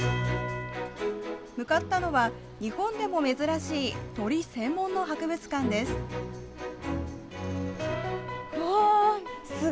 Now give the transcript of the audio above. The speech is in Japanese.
向かったのは、日本でも珍しい鳥専門の博物館です。